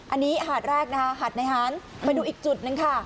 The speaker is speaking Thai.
อันนี้หาดแรกนะคะหาดในหารมาดูอีกจุดหนึ่งค่ะ